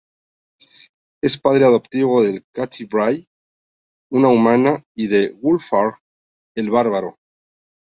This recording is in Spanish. Es padre adoptivo de "Catti-Brie", una humana, y de "Wulfgar", el bárbaro.